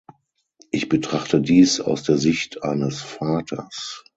Ich betrachte dies aus der Sicht eines Vaters.